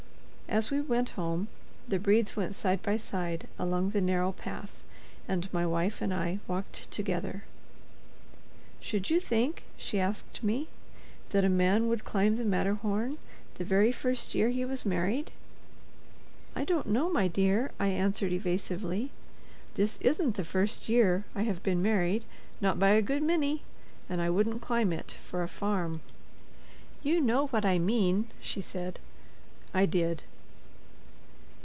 As we went home, the Bredes went side by side along the narrow path, and my wife and I walked together. "Should you think," she asked me, "that a man would climb the Matterhorn the very first year he was married?" "I don't know, my dear," I answered, evasively; "this isn't the first year I have been married, not by a good many, and I wouldn't climb it—for a farm." "You know what I mean," she said. I did.